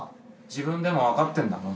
自分でも分かってんだろ？